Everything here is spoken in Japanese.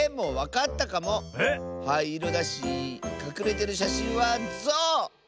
はいいろだしかくれてるしゃしんはゾウ！